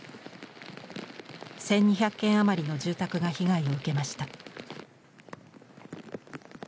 １，２００軒余りの住宅が被害を受けました。